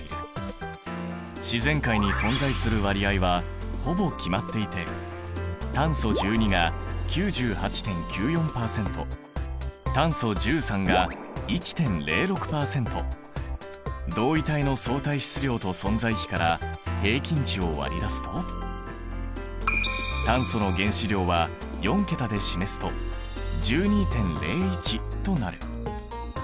自然界に存在する割合はほぼ決まっていて同位体の相対質量と存在比から平均値を割り出すと炭素の原子量は４桁で示すと１２．０１となる。